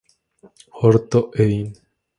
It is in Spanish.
Horto Edin.